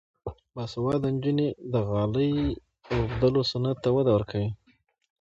باسواده نجونې د غالۍ اوبدلو صنعت ته وده ورکوي.